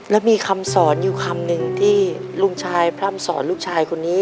แล้วมีคำสอนอยู่คำหนึ่งที่ลุงชายพร่ำสอนลูกชายคนนี้